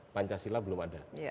pancasila belum ada